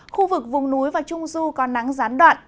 khu vực vùng núi và trung du còn nắng rán đoạn